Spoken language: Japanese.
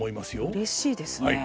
うれしいですね。